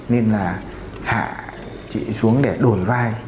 nên là hạ chị ấy xuống để đổi vai